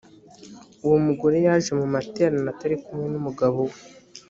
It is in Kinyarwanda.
uwo mugore yaje mu materaniro atari kumwe n umugabo we